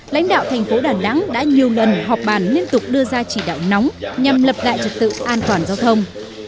lãnh đạo thành phố đà nẵng đã nhiều lần họp bàn liên tục đưa ra chỉ đạo nóng nhằm lập lại trật tự an toàn giao thông